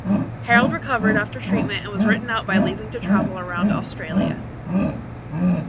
Harold recovered after treatment and was written out by leaving to travel around Australia.